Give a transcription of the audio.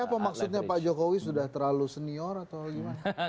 jadi apa maksudnya pak jokowi sudah terlalu senior atau gimana